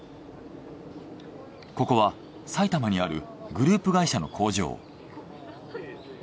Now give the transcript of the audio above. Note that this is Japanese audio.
ここは埼玉にあるグループ会社の工場。